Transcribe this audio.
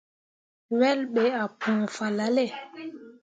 Wel ɓe ah pũu fahlalle.